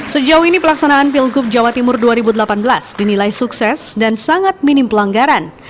sejauh ini pelaksanaan pilgub jawa timur dua ribu delapan belas dinilai sukses dan sangat minim pelanggaran